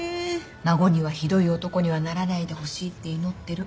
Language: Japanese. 孫にはひどい男にはならないでほしいって祈ってる。